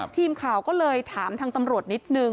ทีมข่าวก็เลยถามทางตำรวจนิดนึง